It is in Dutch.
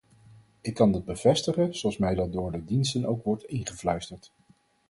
Ik kan dat bevestigen zoals mij dat door de diensten ook wordt ingefluisterd.